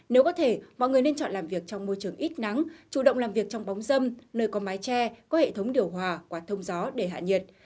nếu có thể mọi người nên chọn làm việc trong môi trường ít nắng chủ động làm việc trong bóng dâm nơi có mái tre có hệ thống điều hòa quả thông gió để hạ nhiệt